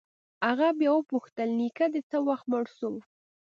هغه بيا وپوښتل نيکه دې څه وخت مړ سو.